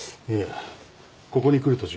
いやここに来る